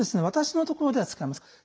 私のところでは使います。